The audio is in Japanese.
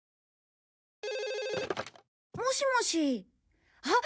もしもしあっ！